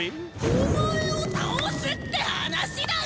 お前を倒すって話だがぁぁぁ！？